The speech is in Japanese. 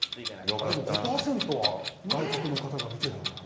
でも５％は外国の方が見てるんだ。